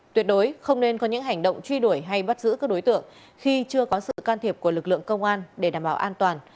tuyệt đối không nên có những hành động truy đuổi hay bắt giữ các đối tượng khi chưa có sự can thiệp của lực lượng công an để đảm bảo an toàn